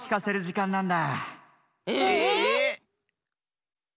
え？